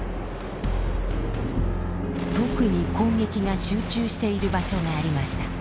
特に攻撃が集中している場所がありました。